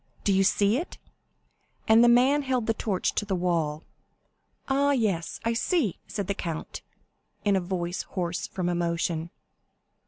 Do you see it?" and the man held the torch to the wall. 50223m "Ah, yes; I see," said the count, in a voice hoarse from emotion.